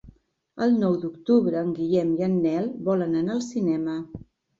El nou d'octubre en Guillem i en Nel volen anar al cinema.